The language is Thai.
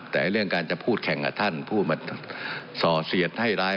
แต่เรื่องการจะพูดแข่งกับท่านพูดมาส่อเสียดให้ร้าย